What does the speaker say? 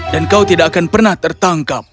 dan kau tidak akan pernah tertangkap